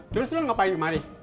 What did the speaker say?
terus lo ngapain di mari